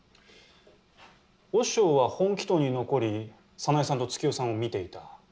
和尚は本鬼頭に残り早苗さんと月代さんを見ていた。